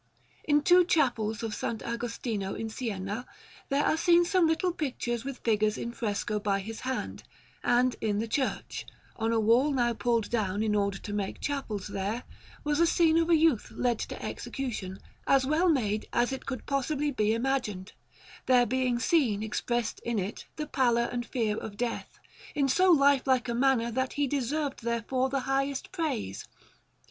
In two chapels of S. Agostino in Siena there are seen some little pictures with figures in fresco, by his hand; and in the church, on a wall now pulled down in order to make chapels there, was a scene of a youth led to execution, as well made as it could possibly be imagined, there being seen expressed in it the pallor and fear of death, in so lifelike a manner that he deserved therefore the highest praise.